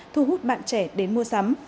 thu hút bạn trẻ đến mua sắm